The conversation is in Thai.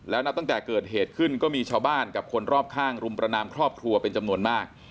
แล้วนับตั้งแต่เกิดเหตุขึ้นก็มีชาวบ้านกับคนรอบข้างรุมประนามครอบครัวเป็นจำนวนมาก